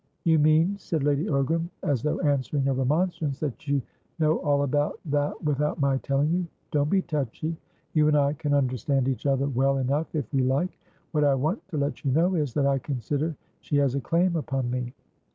"You mean," said Lady Ogram, as though answering a remonstrance, "that you know all about that without my telling you. Don't be touchy; you and I can understand each other well enough, if we like. What I want to let you know is, that I consider she has a claim upon me.